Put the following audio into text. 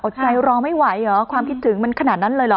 ใจรอไม่ไหวเหรอความคิดถึงมันขนาดนั้นเลยเหรอ